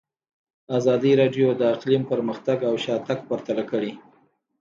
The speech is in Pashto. ازادي راډیو د اقلیم پرمختګ او شاتګ پرتله کړی.